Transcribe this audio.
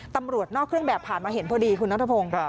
ตำรวจนอกเครื่องแบบผ่านมาเห็นพอดีคุณนัทพงศ์